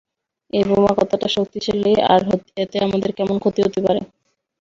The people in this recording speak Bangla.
এই বোমা কতটা শক্তিশালী, আর এতে আমাদের কেমন ক্ষতি হতে পারে?